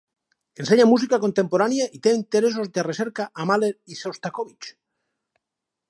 Ensenya música contemporània i té interessos de recerca a Mahler i Shostakovich.